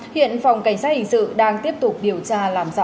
hiện phòng cảnh sát hình sự đang tiếp tục điều tra làm rõ